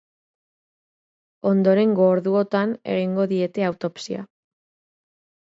Ondorengo orduotan egingo diete autopsia.